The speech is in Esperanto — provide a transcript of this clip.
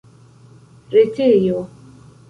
retejo